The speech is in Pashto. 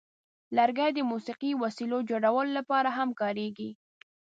لرګي د موسیقي وسیلو جوړولو لپاره هم کارېږي.